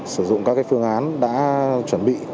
sử dụng các phương án đã chuẩn bị